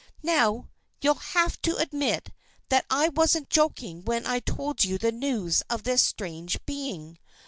"Now, you'll have to admit that I wasn't joking when I told you the news of this strange being.